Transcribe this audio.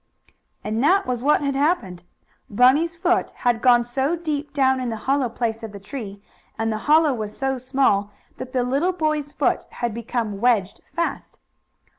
And that was what had happened. Bunny's foot had gone so deep down in the hollow place of the tree, and the hollow was so small, that the little boy's foot had become wedged fast.